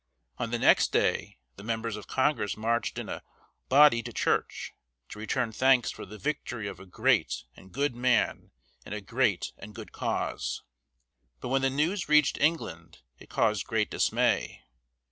On the next day the members of Congress marched in a body to church, to return thanks for the "victory of a great and good man in a great and good cause." But when the news reached England it caused great dismay.